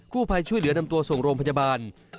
ผู้ภัยช่วยเหลือนำตัวส่งโรงพยาบาล